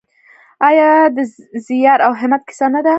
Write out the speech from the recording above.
آیا د زیار او همت کیسه نه ده؟